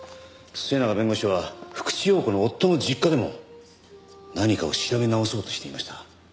末永弁護士は福地陽子の夫の実家でも何かを調べ直そうとしていました。